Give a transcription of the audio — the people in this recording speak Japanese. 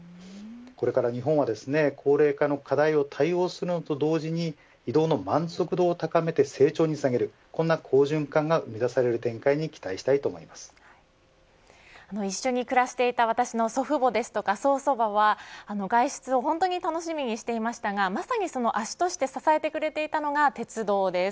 これから日本は高齢化の課題に対応するのと同時に移動の満足度を高めて成長につなげるこんな好循環が生み出される一緒に暮らしていた私の祖父母ですとか曽祖母は外出を本当に楽しみにしていましたがまさにその足として支えてくれていたのが鉄道です。